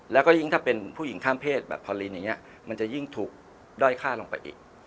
แล้วก็ยิ่งถ้าเป็นผู้หญิงข้ามเพศแบบพอลินอย่างนี้มันจะยิ่งถูกด้อยค่าลงไปอีก